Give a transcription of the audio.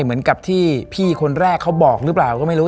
เหมือนกับที่พี่คนแรกเขาบอกหรือเปล่าก็ไม่รู้